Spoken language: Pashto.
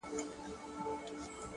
هوښیار انسان له فرصتونو ساتنه کوي!